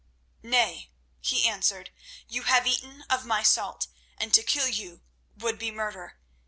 "Nay," he answered; "you have eaten of my salt, and to kill you would be murder.